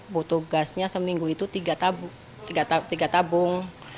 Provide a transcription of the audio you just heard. butuh gasnya seminggu itu tiga tabung